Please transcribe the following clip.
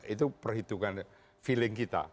itu perhitungan feeling kita